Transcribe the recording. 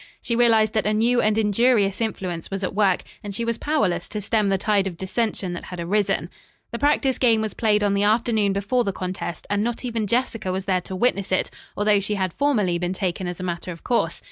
She realized that a new and injurious influence was at work, and she was powerless to stem the tide of dissension that had arisen. The practice game was played on the afternoon before the contest, and not even Jessica was there to witness it, although she had formerly been taken as a matter of course.